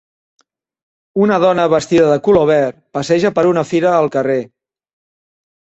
Una dona vestida de color verd passeja per una fira al carrer.